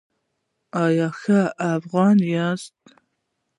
ایا ښه افغان یاست؟